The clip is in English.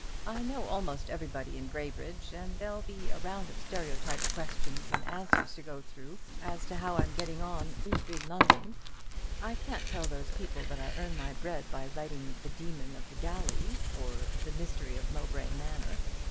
"I know almost everybody in Graybridge; and there'll be a round of stereotyped questions and answers to go through as to how I'm getting on 'oop in London.' I can't tell those people that I earn my bread by writing 'The Demon of the Galleys,' or 'The Mystery of Mowbray Manor.'